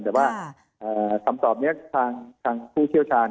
แต่ว่าคำตอบนี้ทางผู้เชี่ยวชาญ